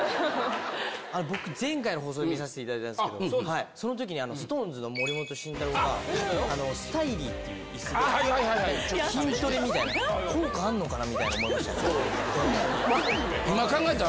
僕、前回の放送で見させていただいたんですけど、そのときに、ＳｉｘＴＯＮＥＳの森本慎太郎が、スタイリーっていういすで、筋トレみたいな、効果あるのかなみたいに思いましたから。